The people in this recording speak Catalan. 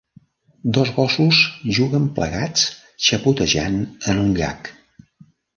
Dos gossos juguen plegats xapotejant en un llac.